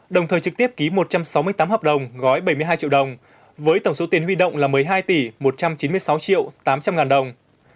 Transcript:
đồng thời trực tiếp ký một trăm sáu mươi tám hợp đồng gói bảy mươi hai triệu đồng với tổng số tiền huy động là một mươi hai tỷ một trăm chín mươi sáu triệu tám trăm linh ngàn đồng